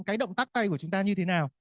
cái động tác tay của chúng ta như thế nào